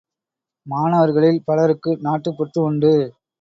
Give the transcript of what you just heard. மாணவர்களில் பலருக்கு நாட்டுப் பற்று உண்டு.